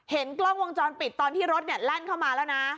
กล้องวงจรปิดตอนที่รถแล่นเข้ามาแล้วนะ